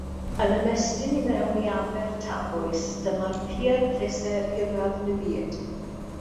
Yn ymestyn i mewn i Aber Tafwys, dyma'r pier pleser hiraf yn y byd.